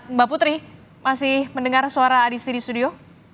mbak putri masih mendengar suara adisti di studio